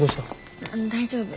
大丈夫？